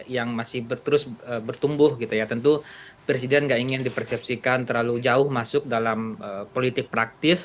yang masih terus bertumbuh gitu ya tentu presiden nggak ingin dipersepsikan terlalu jauh masuk dalam politik praktis